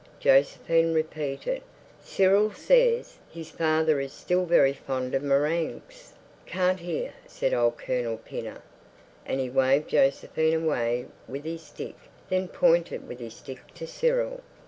Josephine repeated, "Cyril says his father is still very fond of meringues." "Can't hear," said old Colonel Pinner. And he waved Josephine away with his stick, then pointed with his stick to Cyril.